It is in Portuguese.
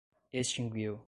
extinguiu